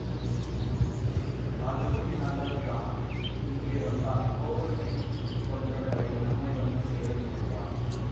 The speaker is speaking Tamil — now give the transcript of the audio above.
அதுவும் நல்லது தான் இங்கே வந்தால் கோவலனைக் கொன்ற பழி நம்மை வந்து சேரும் என்றான்.